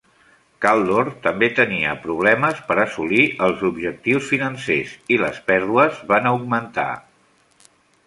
Caldor també tenia problemes per assolir els objectius financers i les pèrdues van augmentar.